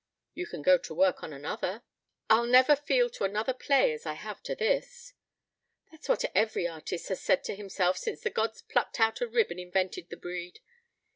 "You can go to work on another." "I'll never feel to another play as I have to this." "That's what every artist has said to himself since the gods plucked out a rib and invented the breed.